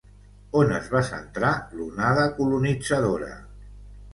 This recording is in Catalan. On es va centrar l'onada colonitzadora?